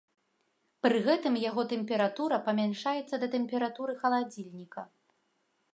Пры гэтым яго тэмпература памяншаецца да тэмпературы халадзільніка.